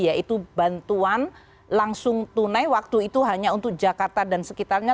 yaitu bantuan langsung tunai waktu itu hanya untuk jakarta dan sekitarnya